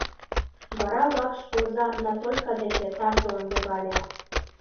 Вара вакш оза Натолька деке тарзылан логале.